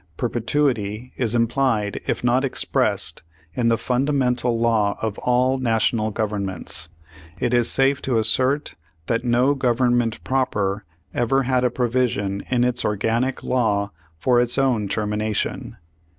Perpetuity is implied if not expressed in the fundamental law of all national governments. It is safe to assert that no governm.ent proper ever had a provision in its organic law for its own termination."